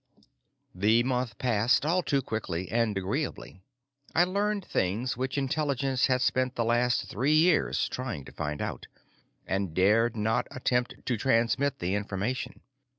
The month passed all too quickly and agreeably. I learned things which Intelligence had spent the last three years trying to find out, and dared not attempt to transmit the information.